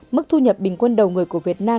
mức thu nhập bình quân đầu người của việt nam